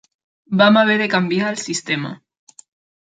Vam haver de canviar el sistema.